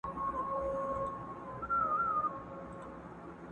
د پلرونو د نیکونو له داستانه یمه ستړی،